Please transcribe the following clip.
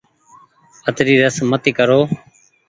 اتري رس مت ڪرو۔